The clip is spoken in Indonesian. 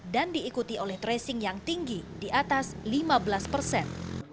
dan diikuti oleh tracing yang tinggi di atas lima belas persen